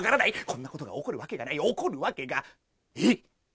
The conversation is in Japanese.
こんなことが起こるわけがない、起こるわけが、えっ？